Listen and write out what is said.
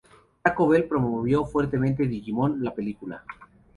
Taco Bell promovió fuertemente Digimon: La película.